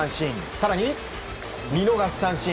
更に見逃し三振。